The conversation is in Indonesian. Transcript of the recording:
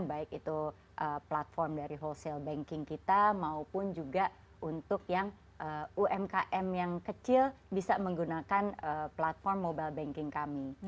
baik itu platform dari wholesale banking kita maupun juga untuk yang umkm yang kecil bisa menggunakan platform mobile banking kami